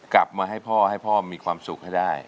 กลับมาให้พ่อให้พ่อมีความสุขให้ได้